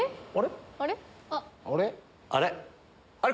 あれ？